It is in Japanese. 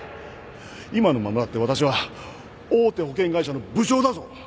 今のままだって私は大手保険会社の部長だぞ。